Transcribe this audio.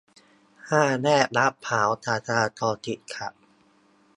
ห้าแยกลาดพร้าว การจราจรติดขัด